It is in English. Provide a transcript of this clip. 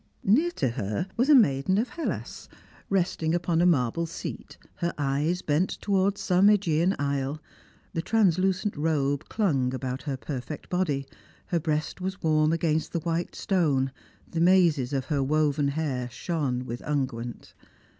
Near to her was a maiden of Hellas, resting upon a marble seat, her eyes bent towards some AEgean isle; the translucent robe clung about her perfect body; her breast was warm against the white stone; the mazes of her woven hair shone with unguent.